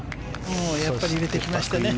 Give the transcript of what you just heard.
やっぱり入れてきましたね。